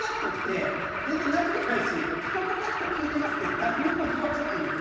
全然なじみないし、キョットキャスト聞いてますって誰にも言われないんです。